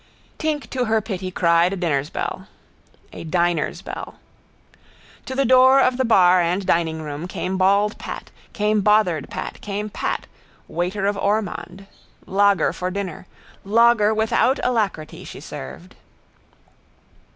Tink to her pity cried a diner's bell. To the door of the bar and diningroom came bald Pat, came bothered Pat, came Pat, waiter of Ormond. Lager for diner. Lager without alacrity she served.